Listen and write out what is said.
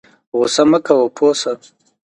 غوسه مه کوه پوه شه